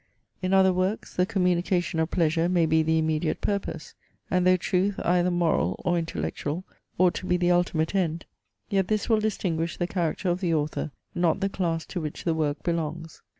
In other works the communication of pleasure may be the immediate purpose; and though truth, either moral or intellectual, ought to be the ultimate end, yet this will distinguish the character of the author, not the class to which the work belongs.